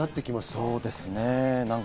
そうですね。